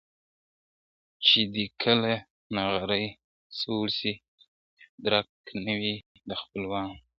چي دي کله نغری سوړ سي درک نه وي د خپلوانو `